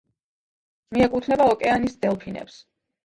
მიეკუთვნება ოკეანის დელფინებს.